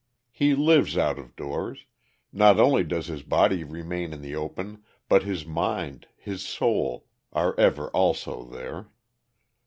He lives out of doors; not only does his body remain in the open, but his mind, his soul, are ever also there.